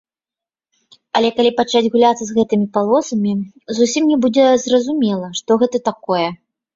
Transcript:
А калі пачаць гуляцца з гэтымі палосамі, зусім не будзе зразумела, што гэта такое.